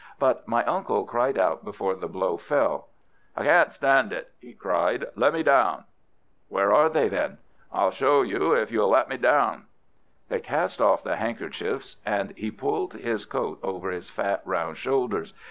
But my uncle cried out before the blow fell. "I can't stand it!" he cried. "Let me down!" "Where are they, then?" "I'll show you if you'll let me down." They cast off the handkerchiefs and he pulled his coat over his fat, round shoulders.